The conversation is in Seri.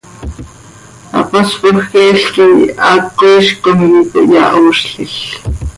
Hapaspoj cheel quih haaco iizc com iiqui cöiyahoozlil.